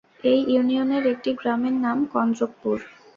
এই ইউনিয়নের একটি গ্রামের নাম কন্দ্রকপুর।